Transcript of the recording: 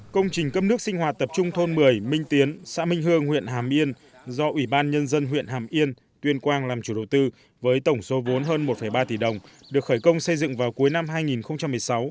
công trình cấp nước sinh hoạt tập trung thôn một mươi minh tiến xã minh hương huyện hàm yên do ủy ban nhân dân huyện hàm yên tuyên quang làm chủ đầu tư với tổng số vốn hơn một ba tỷ đồng được khởi công xây dựng vào cuối năm hai nghìn một mươi sáu